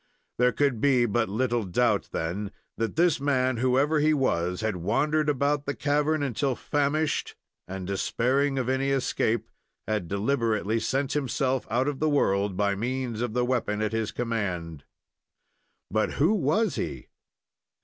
There could be but little doubt, then, that this man, whoever he was, had wandered about the cavern until famished, and, despairing of any escape, had deliberately sent himself out of the world by means of the weapon at his command. But who was he?